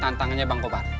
tentangnya bang kobar